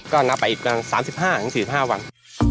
ก็นับไปอีก๓๕๔๕วัน